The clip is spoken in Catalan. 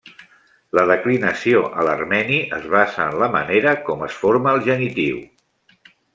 La declinació a l'armeni es basa en la manera com es forma el genitiu.